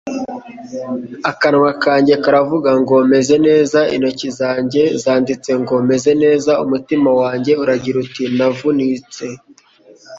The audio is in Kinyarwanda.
akanwa kanjye karavuga ngo: meze neza. intoki zanjye zanditse ngo: meze neza. umutima wanjye uragira uti: navunitse